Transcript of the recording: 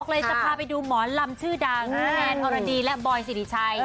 เลยจะพาไปดูหมอลำชื่อดังคุณแอนอรดีและบอยสิริชัย